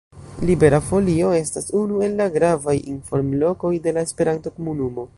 Libera Folio estas unu el la gravaj informlokoj de la esperanto-komunumo.